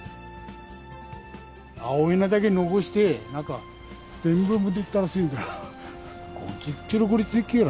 青いのだけ残して、なんか全部持ってったらしいんだ。